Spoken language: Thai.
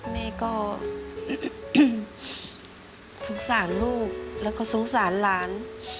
แม่ก็สงสารลูกแล้วก็สงสารหลาน